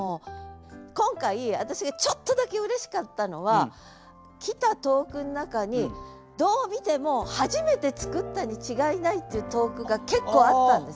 今回私がちょっとだけうれしかったのは来た投句の中にどう見ても初めて作ったに違いないっていう投句が結構あったんです。